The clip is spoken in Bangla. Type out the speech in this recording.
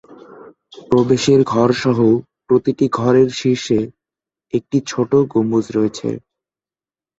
প্রবেশ ঘর সহ প্রতিটি ঘরের শীর্ষে একটি ছোট গম্বুজ রয়েছে।